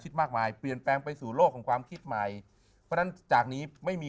ชิดมากมายเปลี่ยนแปลงไปสู่โลกของความคิดใหม่จากนี้ไม่มี